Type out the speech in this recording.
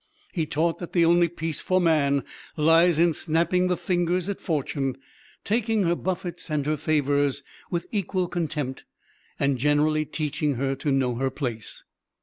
He taught that the only Peace for man lies in snapping the fingers at Fortune, taking her buffets and her favours with equal contempt, and generally teaching her to know her place.